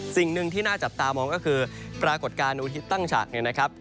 สิ่งหนึ่งที่น่าจับตามองก็คือปรากฏการณ์อุทิศตั้งฉากเนี่ยนะครับ